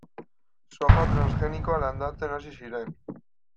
Soja transgenikoa landatzen hasi ziren.